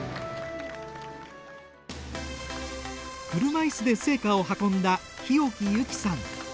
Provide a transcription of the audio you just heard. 車いすで聖火を運んだ日置有紀さん。